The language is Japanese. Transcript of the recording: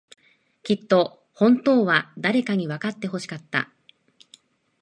きっと、本当は、誰かにわかってほしかった。